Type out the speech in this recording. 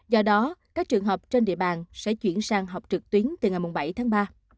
do đó các trường học trên địa bàn sẽ chuyển sang học trực tuyến từ ngày bảy tháng ba